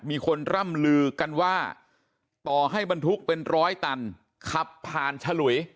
มีคนร่ำลือกันว่าต่อให้บรรทุกเป็นร้อยตันขับผ่านฉลุย